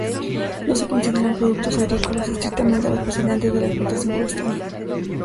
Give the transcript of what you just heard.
No se consideran productos agrícolas estrictamente los procedentes de la explotación forestal.